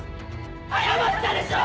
謝ったでしょ